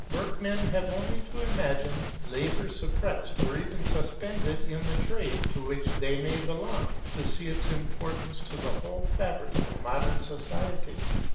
Workmen have only to imagine labour suppressed or even suspended in the trade to which they may belong, to see its importance to the whole fabric of modern society.